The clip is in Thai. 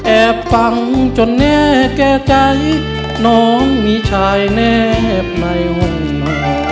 แอบฟังจนแน่แก่ใจน้องมีชายแนบในวงมา